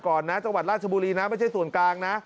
ก่อนนะจังหวัดราชบุรีนะไม่ใช่ส่วนกลางนะ